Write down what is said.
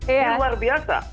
ini luar biasa